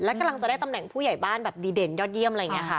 แล้วกำลังจะได้ตำแหน่งผู้ใหญ่บ้านแบบดีเด่นยอดเยี่ยม